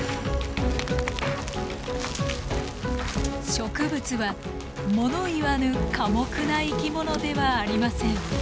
植物は物言わぬ寡黙な生き物ではありません。